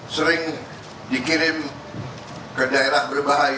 sering dikirim ke daerah berbahaya